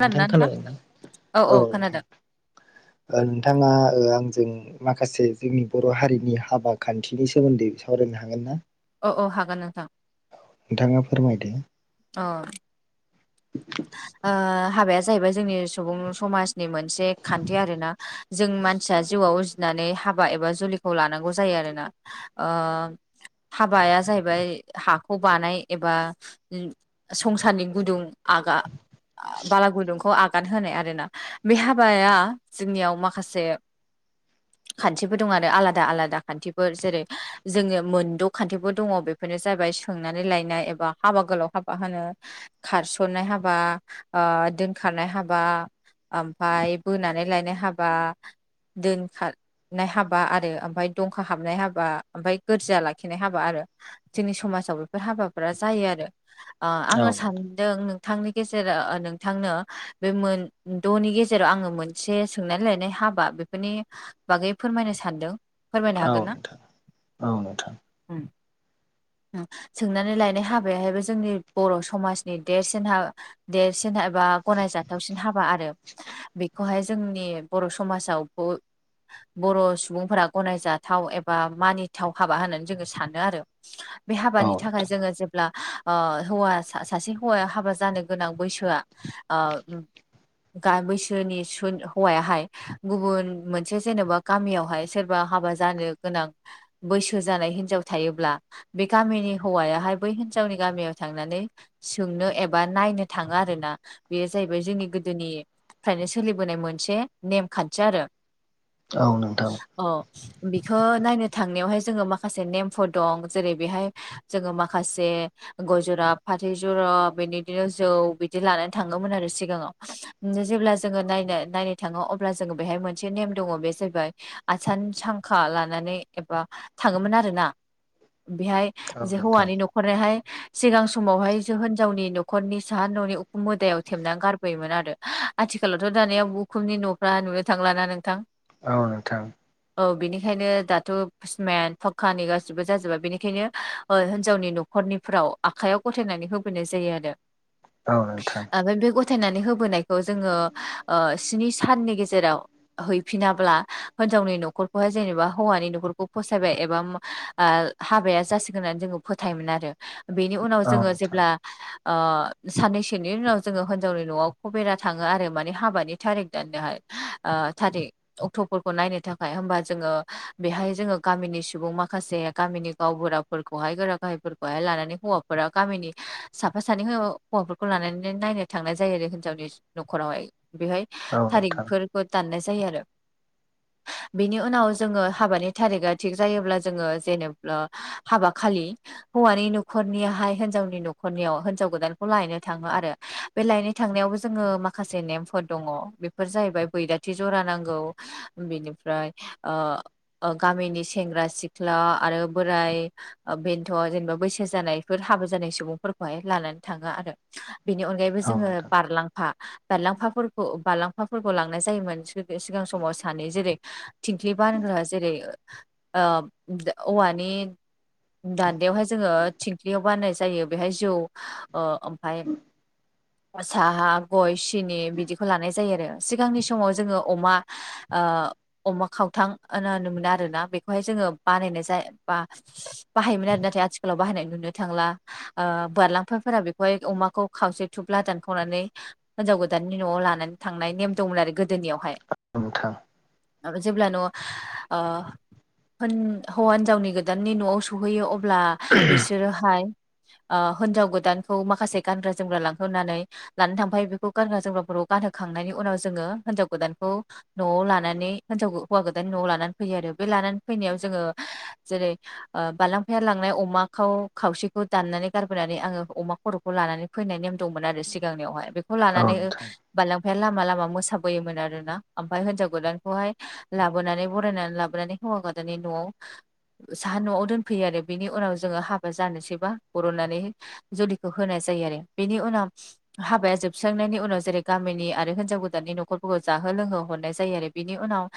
नोंथां खोनादों ना औ नोंथां ओ नोंथाङा आंजों माखासे जोंनि बर' हारिनि हाबा खान्थिनि सोमोन्दै सावरायनो हागोन ना? अ अ हागोन नोंथां। नोंथाङा फोरमायदो। अ। [inaudible] ओ हाबाया जाहैबाय जोंनि सुबुं समाजनि मोनसे खान्थि आरो ना जों मानसिया जिउआव उजिनानै हाबा एबा जुलिखौ लानांगौ जायो आरोना ओ हाबाया जाहैबाय हाखौ बानाय एबा संसारनि गुदुं आगा बालागुदुंखौ आगा गानहोनाय आरोना बे हाबाया जोंनियाव माखासे [inaudible] खान्थिफोर दं आरो आलादा आलादा खान्थिफोर जेरै जोङो मोनद' खान्थिफोर दङ बे बेफोरनो जाबाय सोंनानै लायनाय एबा हाबा गोलाव हाबा होनो खार स'नाय हाबा ओ दोनखारनाय हाबा ओमफाय बोनानै लायनाय हाबा दोनखा नाय हाबा आरो ओमफाय दंखा हाबनाय हाबा ओमफाय गोरजिया लाखिनाय हाबा आरो। जोंनि समाजाव बेफोर हाबाफोरा जायो आरो औ आङो सानो जों नोंथांनि गेजेराव ओ नोंथांनो बे मोन द'नि गेजेराव आङो मोनसे सोंनानै लायनाय हाबा बेफोरनि बागै फोरमायनो सानदों फोरमायनो औ हागोन ना? नोंथां औ नोंथां उम उम सोंनानै लायनाय हाबायाहायबो जोंनि बर' समाज देरसिन हा देरसिन एबा गनायजाथावसिन हाबा आरो। बेखौहाय जोंनि बर' समाजाव ब बर' सुबुंफोरा गनायजाथाव एबा मानिथाव हाबा होननानै जोङो सानो आरो । बे औ हाबानि नोंथां थाखाय जोङो जेब्ला ओ हौवा सासे हौवाया हाबा जानो गोनां बैसोआ ओ गा बैसोनि स हौवायाहाय गुबुन मोनसे जेनेबा गामियावहाय सोरबा हाबा जानो गोनां बैसो जानाय हिनजाव थायोब्ला बे गामिनि हौवायाहाय बै हिनजावनि गामियाव थांनानै सोंनो एबा नायनो थाङो आरोना बेयो जाहैबाय जोंनि गोदोनि फ्रायनो सोलिबोनाय मोनसे नेमखान्थि आरो। औ नोंथां। अ बिखौ नायनो थांनायावहाय जोङो माखासे नेमफोर दं जेरै बेहाय जोङो माखासे गय जरा फा जरा बिनिदिनो जौ बिदि लानानै थाङोमोन आरो सिगाङाव जेब्ला जोङो नायनो नायनो थाङो अब्ला जोङो बेहाय मोनसे नेम दङ बे जाहैबाय आसान सांखा लानानै एबा थाङोमोन आरोना बेहाय औ जे नोंथां हौवानि न'खरनिहाय सिगां समावहाय जो होनजावनि न'खरनि साहा न'नि उखुम मोदायाव थेबनानै गारबोयोमोन आरो आथिखालावथ' दानिया उखुमनि न'फ्रा नुनो थांलाना नोंथां । औ नोथां औ बिनिखायनो दाथ' सिमेन्थ फक्कानि गासिबो जाजोबा बेनिखायनो हिनजावनि न'खर हरनिफ्राव आखाइयाव गथायनानै होबोनाय जायो आरो औ नोंथां ओमफ्राय बे गथायनानै होबोनायखौ जोङो स्नि साननि गेजेराव हैफिनाब्ला हिनजावनि न'खरखौहाय जेनेबा हौवानि न'खरखौ फसायबाय एबा ओ हाबाया जासिगोन होननानै जोङो फोथायोमोन आरो बेनि उनाव औ जोङो जे नोंथां ओ साननैसोनि उनाव जोङो हिनजावनि न'आव खबेरा थांङो आरो माने हाबानि थारिख दानोहाय ओ थारिक अक्टफोरखौ नायनो थाखाय होमबा जोंङो बेहाय जोंङो गामिनि सुबुं माखासे गामिनि गावबुरा फोरखौहाय गोरा गाहायफोरखौहाय लानानै हौवाफोरा गामिनि साफा सानै हौवाफोरखौ लानानै नायनो थांनाय जायो आरो हिनजावनि न'खरावहाय बेहाय औ नोंथां थारिखफोरखौ दाननाय जायो आरो बिनि उनाव जोंङो हाबानि थारिकआ थिग जायोब्ला जोंङो जेनेबा हाबा खालि हौवानि नखरनिआहाय हिनजावनि नखर न'खरनियाव हिनजाव गोदानखौ लायनो थांङो आरो बे लायनो थांनायावबो जोंङो माखासे नेमफोर दङ बे फोर जाहैबाय बैराथि जरा नांगौ बिनिफ्राय ओ ओ गामिनि सेंग्रा सिख्ला आरो बोराय ओ बेनथ' जेनेबा बैसो जानायफोर हाबो जानाय सुबुं फोरखौहाय लानानै थांङो आरो बेनि अनगायैबो औ जोंङो नोंथां बारलांफा बारलांफाफोरखौ बारलांफाफोरखौ लांनाय जायोमोन सिगां समाव सानै जेरै थिंख्लि बानग्रा जेरै ओ औवानि दान्दायावहाय जोंङो थिंख्लियाव बान्नाय जायो बेहाय ओ जौ ओमफाय साहा गय सिनि बिदिखौ लानाय जायो आरो सिगांनि समाव जोंङो अमा ओ अमा खावथां होनो मोन आरोना बेखौहाय जोंङो बानायनाय जाय बा बाहायोमोन आरो नाथाय आथिखालाव बाहायनाय नुनो थांला । ओ बारलांफाफोरा बेखौहाय अमाखौ खावसे थुबला दानखावनानै हिनजाव गोदाननि नआव लानानै थांनाय नेम दंमोन आरो गोदोनियावहाय नोंथां आरो जेब्ला नयाव ओ होन हौवा हिनजावनि गोदाननि नआव सौहैयो अ ब्ला बिसोरोहाय हिनजाव गोदानखौ माखासे गानग्रा जोमग्रा लांहोनानै लानानै थांफायो बेखौ गारग्रा जोमग्राफोरखौ गानहोखांनायनि उनाव जोंङो हिनजाव गोदानखौ नआव लानानै हिनजाव हौवा गोदान नआव लानानै फैयो आरो बे लानानै फैनायाव जोंङो जेरै ओ बाललांफाया लांनाय अमाखौ खावसेखौ दाननानै गारबोनानै आंङो अमा खरखौ लानानै फैनाय नेम दंमोन आरो सिगांनियावहाय बेखौ औ लानानै नोंथां बालांफाया लामा लामा मोसाबोयोमोन आरोना ओमफ्राय हिनजाव गोदानखौहाय लाबोनानै बरायनानै लाबोनानै हौवा गोदनि नआव साहा नआव दोनफैयो आरो बिनि उनाव जोंङो हाबा जानो सैबा बरनानै जुलिखौ होनाय जायो आरो बेनि उनाव हाबाया जोबस्रांनायनि उनाव जेरै गामिनि आरो हिनजाव गोदाननि नखरफोरखौ जाहो लोंहो हरनाय जायो आरो। बिनि उनाव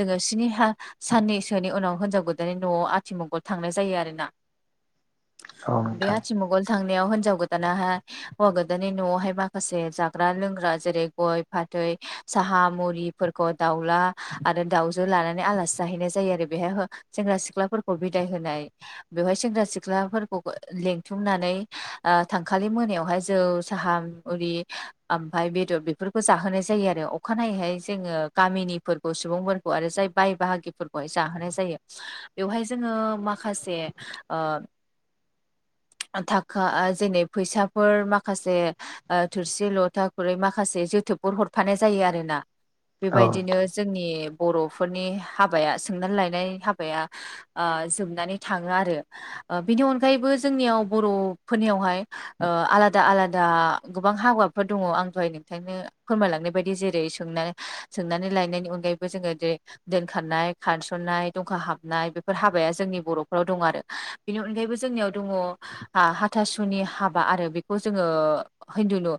जोंङो सिनिहा साननैसोनि उनाव हिनजाव गोदाननि नआव आथिमंगल थांनाय जायो आरोना । औ बे नोंथां आथिमगल थांनायाव हिनजाव गोदानाहा हौवा गोदाननि न'आवहाय माखासे जाग्रा लोंग्रा जेरै गय फाथै साहा मुरिफोरखौ दाउला आरो दाउजो लानानै आलासि जाहैनाय जायो आरो बेहाय हो सेंग्रा सिख्लाफोरखौ बिदाय होनाय बेवहाय सेंग्रा सिख्लाफोरखौ लिंथुमनानै ओ थांखालि मोनायावहाय जौ साहा मुरि ओमफाय बेदर बेफोरखौ जाहोनाय जायो आरो अखानायैहाय जोंङो गामिनिफोरखौ सुबुंफोरखौ आरो जाय बाय बाहागिफोरखौहाय जाहोनाय जायो बेवहाय जोंङो माखासे ओ थाखा जेनै फैसाफोर माखासे ओ थोरसि लथा खुरै माखासे जोथोबफोर हरफानाय जायो आरोना। औ बेबायदिनो नोंथां जोंनि बर'फोरनि हाबाया सोंनानै लायनाय हाबाया ओ जोबनानै थाङो आरो बिनि अनगायैबो जोंनियाव बर'फोरनियावहाय ओ आलादा आलादा गोबां हाबाफोर दङ आं दहाय नोंथांनो फोरमायलांनाय बायदि जेरै सों सोंनानै लायनायनि अनगायैबो जोंङो जेरै दोनखारनाय खारसननाय दंखा हाबनाय बेफोर हाबाया जोंनि बर'फोराव दं आरो। बेनि अनगायैबो जोंनियाव दङ हा हाथासुनि हाबा आरो बेखौ जोंङो हिन्दुुनु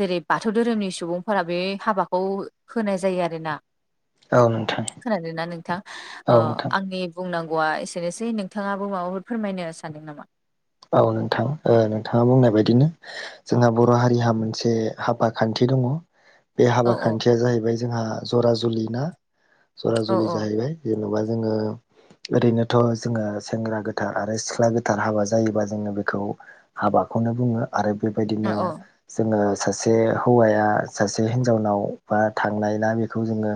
जेरै बाथौ धोरोमनि सुबुंफोरा बे हाबाखौ होनाय जायो आरोना। औ नोंथां खोनादोंना नोंथां? ओ औ नोंथां आंनि बुंनांगौआ एसेनोसै नोंथाङाबो माबाफोर फोरमायनो सानदों नामा? औ नोंथां ओ नोंथाङा बुंनाय बायदिनो जोंहा बर' हारिहा मोनसे हाबा खान्थि दङ। बे औ हाबा औ खान्थिया जाहैबाय जोंहा जरा जुलि ना जरा औ जुलि औ जाहैबाय। जेन'बा जोंङो ओरैनोथ' जोंङो सेंग्रा गोथार आरो सिख्ला गोथार हाबा जायोबा जोंङो बेखौ हाबाखौनो बुङो आरो औ बेबायदिनो जोंङो सासे हौवाया सासे हिनजावनाव बा थांनाय ना बेखौ जोंङो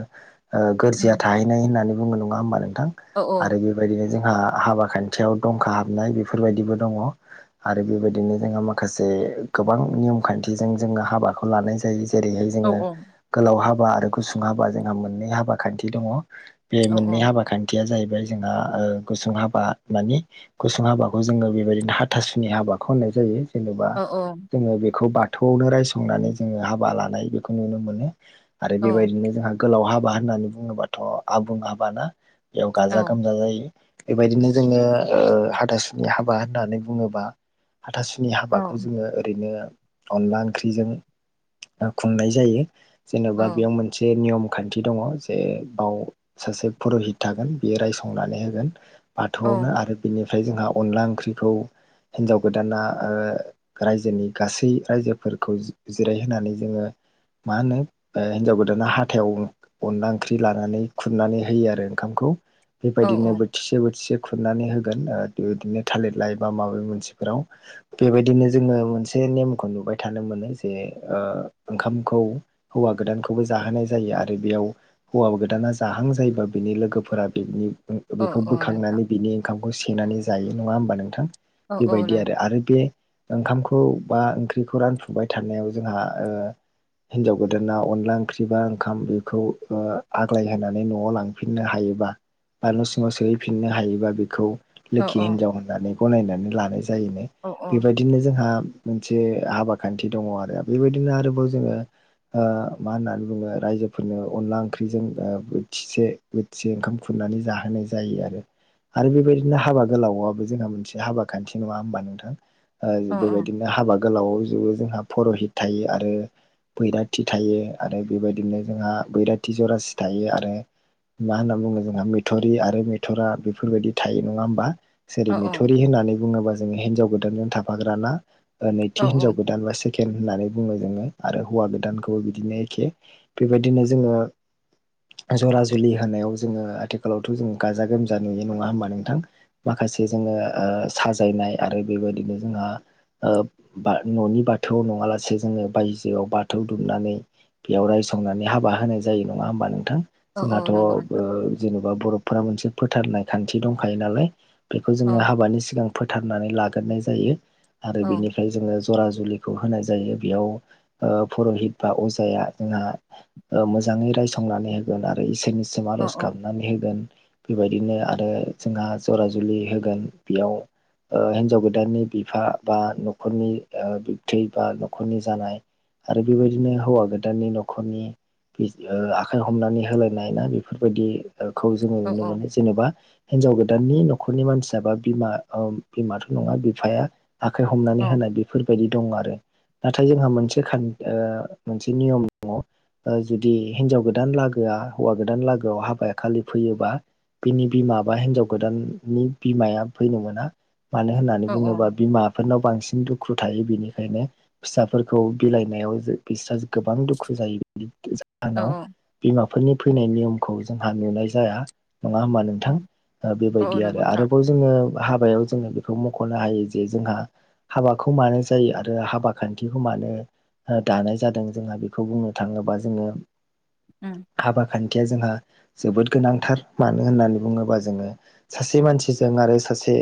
ओ गोरजिया थाहैनाय होननानै बुंनो नङा होमबा नोंथां? औ आरो बे बायदिनो जोंहा हाबा खान्थियाव दंखा हाबनाय बेफोरबायदिबो दङ। आरो बेबायदिनो जोंहा माखासे गोबां नियम खान्थिजों जोंङो हाबाखौ लानाय जायो। जेरैहाय औ जोंङो गोलाव हाबा आरो गुसुं हाबा जोंहा मोननै हाबा खान्थि दङ। बे औ मोननै हाबा खान्थिया जाहैबाय जोंहा ओ गुसुं हाबा मानि गुसुं हाबा जोंङो बेबायदिनो हाथासुनि हाबाखौ होननाय जायो जेनेबा औ जोंङो बेखौ बा थौआवनो रायसंनानै जोंङो हाबा लानाय बेखौ नुनो मोनो आरो बेबायदिनो जोंहा गोलाव हाबा होननानै बुङोबाथ' आबुं हाबाना बेयाव औ गाजा गोमजा जायो। बेबायदिनो जोंङो ओ हाथासुनि हाबा होननानै बुङोबा हाथासुनि हाबाखौ जोंङो ओरैनो अनला ओंख्रिजों खुंनाय जायो जेन'बा बेयाव मोन से नियम खान्थि दङ जे बाव सासे पुरहित थागोन बियो रायसंनानै होगोन औ बाथौआवनो आरो बिनिफ्राय जोंहा अनला ओंख्रिखौ हिन्जाव गोदाना ओ रायजोनि गासै रायजोफोरखौ जिरायहोनानै जोंङो मा होनो ओ हिन्जाव गोदाना हाथायाव अनला ओंख्रि लानानै खुरनानै होयो आरो ओंखामखौ औ बेबायदिनो बोथिसे बोथिसे खुरनानै होगोन बिदिनो थालिर लाइ बा माबा मोनसेफोराव बेबायदिनो जोङो मोनसे नेमखौ नुबाय थानो मोनो जे ओ ओंखामखौ हौवा गोदानखौबो जाहोनाय जायो आरो बेयाव हौवा गोदाना जाहां जायोबा बिनि लोगोफोरा बिनि औ बेखौ औ नोंथां बोखांनानै बिनि ओंखामखौ सेनानै जायो नङा होमबा नोंथां औ औ बेबायदि नोंथां आरो आरो बे ओंखामखौ बा ओंख्रिखौ रानफुबाय थानायाव जोंहा ओ हिन्जाव गोदाना अनला ओंख्रि बा ओंखाम बेखौ ओ आग्लाय होनानै न'आव लां फिननो हायोबा बा न' सिङाव सोहैफिननो हायोबा बेखौ औ लोखि औ हिनजाव होननानै गनायनानै लानाय जायोनो औ बेबाय दिनो जोंहा मोनसे हाबा खान्थि दङ आरो बेबायदिनो आरोबाव जोंङो ओ मा होननानै बुङो रायजोफोरनो अनला ओंख्रिजों ओ बोथिसे बोथिसे ओंखाम खुरनानै जाहोनाय जायो आरो। आरो बेबायदि -नो हाबा गोलावाबो जोंहा मोनसे हाबा खान्थि नङा होमबा नोंथां औ बेबायदिनो हाबा गोलाव जोबो जोंहा पर'हित थायो आरो बैराथि थायो आरो बेबायदिनो जोंहा बैराथि जरासि थायो आरो मा होनना बुङो जोंहा मथरि आरो मेथरा बेफोरबायदि थायो नङा होमबा जेरै औ मिथुरि होननानै बुङोबा जोङो हिनजाव गोदानजों थाफाग्राना औ नैथि हिनज गोदान बास केल होननानै बुङो जोङो आरो हौवा गोदानखौबो बिदिनो एखे बेबायदिनो जोङो जरा जुलि होनायाव जोङो आथिखालावथ' जों गाजा गोमजा नुययो नङा होमब नों माखासे जोङो साजायनाय आरो बेबायदिनो जोंहा न'नि बाथौआव नङालासे जोङो बायजोआव बाथौ दुमनानै बेयाव रायसंनानै हाबा होनाय जायो नङा होमबा नोंथां औ जोंहाथ' नंगौ नोंथां जेनेबा बरफफोरा मोनसे फोथारनाय खान्थि दंखायो नालाय बेखौ औ जोङो हाबानि सिगां फोथारनानै लाग्रोनाय जायो आरो औ बेनिफ्राय जोङो जरा जुलिखौ होनाय जायो बेयाव पुरहित बा अजाया जोंहा मोजाङै रायसंनानै होग आरो इसोरनिसिम औ आर'ज औ गाबनानै होगोन बेबायदिनो आरो जोंहा जरा जुलि होगोन बेयाव हिन्जाव गोदाननि बिफा बा न'खरनि बिबत्रि बा न'खरनि जानाय आरो बेबायदिनो हौवा गोदाननि न'खरनि आखाइ हमनानै होलायनाय ना बेफोरबायदिखौ जोङो औ औ नुनो मोनो जेनेबा हिनजाव गोदाननि न'खरनि मानसियाबा बिमा बिमाथ' नङा बिफाया आखाइ हमनानै होनाय बेफोरबायदि दं आरो नाथाय जोंहा मोनसे मोनसे नियम दङ जुदि हिनजाव गोदान लागोआ हौवा गोदान लागोआव हाबाया खालि फैयोबा बिनि बिमा बा हिनजाव गोदाननि बिमाया फैनो मोना मानो होननानै औ बुङोबा बिमा बेफोरनाव बांसिन दुखु थायो बेनिखायनो फिसाफोरखौ बिलाइनायाव बिस्रा गोबां दुखु जायोोमोन जाहोनाव औ बिमाफोरनि फैनाय नियमखौ जोंहा नुनाय जाया नङा होनोमबानो औ औ बेबायदि नंगौ आरो नोंथां आरोबाव जोङो हाबायाव जोङो बेखौ मख'नो हायो जे जोंहा हाबाखौ मानो जायो आरो हाबा खान्थिखौ मानो दानाय जादों जोंहा बेखौ बुंनो थाङोबा जोङो अ हाबा खान्थिया जोंहा जोबोद गोनांथार मानो होननानै बुङोबा जोङो सासे मानसिजों आरो सासे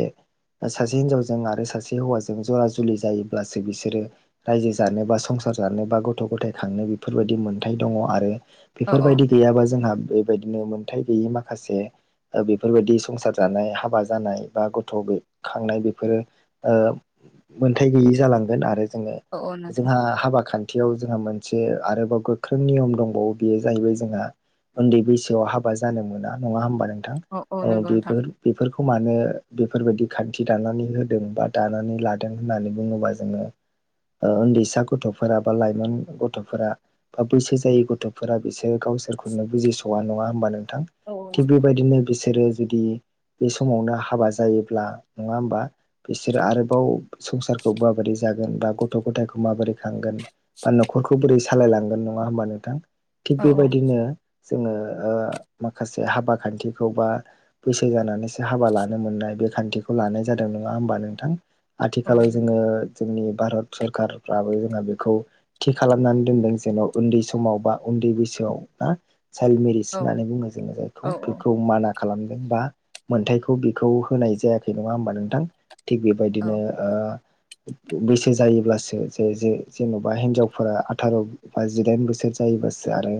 सासे हिनजावजों आरो सासे हौवाजों जरा जुलि जायोब्लासो बिसोरो रायजो जानो बा संसार जानो बा गथ' गथाय खांनो बेफोरबायदि मोनथाय दङ आरो औ बेफोरबायदि गैयाबा जोंहा बेबायदिनो मोनथायाइ गैयि माखासे बेफोरबायदि संसार जानाय हाबा जानाय बा गथ' गैखांनाय बेफोरो मोनथाय गैयि जालांगोन आरो जोङो औ औ नोंथां जोंहा हाबा खान्थि खाथियाव जोंहा मोनसे आरोबाव गोख्रों नियम दंबावो बेयो जाहैबाय जोंहा उन्दै बैसोआव हाबा जानो मोना नङा होमबा औ औ नोंथां नंगौ नोंथां बेफोर बेफोरखौ मानो बेफोरबायदि खान्थि दानानै होदों बा दानानै लादों होननानै बुङोबा जोङो उन्दैसा गथ'फोरा बा लाइमोन गथ'फोरा बा बैसो जायै गथ'फोरा बिसोर गावसोरखौनो बुजिस'वा नङा होमबा नोंथां औ थिग नोंथां बेबायदिनो बिसोरो जुदि बे समावनो हाबा जायोब्ला नङा होमबा बिसोरो आरोबाव संसारखौ माबोरै जागोन बा गथ' गथायखौ माबोरै बा न'खरखौ बोरै सालायलांगोन नङा होमबा नोंथां थिग औ औ बेबायदिनो जोङो माखासे हाबा खान्थिखौ बा बैसो जानानैसो हाबा लानो मोननाय बे खान्थिखौ लानाय जादों नङा होमबा नोंथां औ आथिखालाव जोङो जोंनि भारत सरकारफ्राबो जोंहा बेखौ थि खालामनानै दोनदों जेन' उन्दै समाव बा उन्दै बैसोआव ना चाइल मेरि औ होननानै बुङो जोङो औ जायखौ बेखौ माना खालाम बा मोनथाइखौ बेखौ होनाय जायाखै नङा होमबा नोंथां थिग औ बेबायदिनो ओ बैसो जायोब्लासो जे जे जेन'बा हिनजावफोरा आथार' बा जिदाइन बोसोर जायोबासो आरो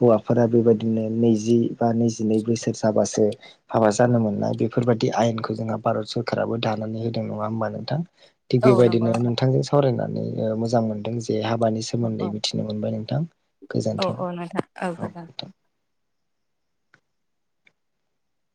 हौवाफोरा बेबायदिनो नैजि बा नैजिनै बोसोर जाबासो हाबा जानो मोननाय बेफोरबादि आयेनखौ जोंहा भारत सरकाराबो दानानै होदों नङा होमबा नोंथां थिग औ नंगौ बेबायदिनो नोंथां नोंथांजों सावरायनानै मोजां मोनदों जे हाबानि औ सोमोन्दै मिथि मोनबाय नोंथां औ गोजोन्थों औ नोंथां औ गोजोन